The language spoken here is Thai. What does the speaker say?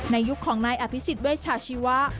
ยุคของนายอภิษฎเวชาชีวะ